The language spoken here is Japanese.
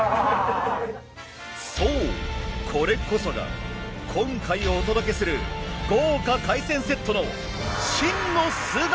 そうこれこそが今回お届けする豪華海鮮セットの真の姿。